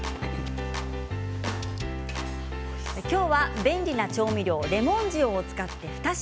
今日は便利な調味料レモン塩を使った２品